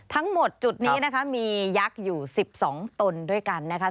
ทั้งหมดจุดนี้นะคะมียักษ์อยู่๑๒ตนด้วยกันนะคะ